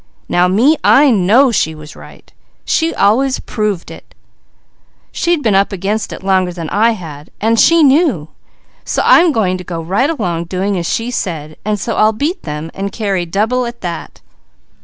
Now me, I know She was right! She always proved it! She had been up against it longer than I had and She knew, so I am going to go right along doing as She said. I'll beat them, and carry double at that!"